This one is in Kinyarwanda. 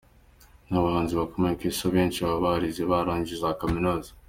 N’abahanzi bakomeye ku Isi abenshi baba barize, barangije za Kaminuza.